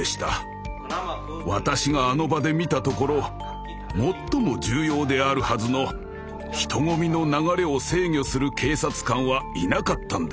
私があの場で見たところ最も重要であるはずの人混みの流れを制御する警察官はいなかったんです。